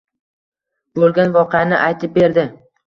Boʻlgan voqeani aytib berdi.